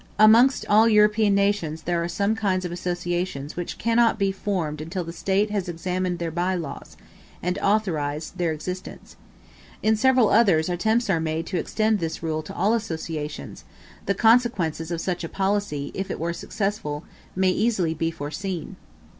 Amongst all European nations there are some kinds of associations which cannot be formed until the State has examined their by laws, and authorized their existence. In several others, attempts are made to extend this rule to all associations; the consequences of such a policy, if it were successful, may easily be foreseen.